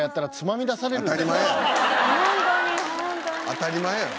当たり前や。